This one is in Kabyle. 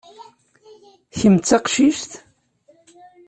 Kem d taqcict?